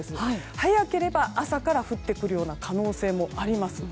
早ければ朝から降ってくるような可能性もあります。